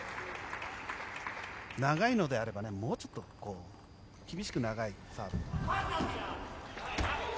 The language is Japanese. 長いのであればもうちょっと厳しく長いサーブ。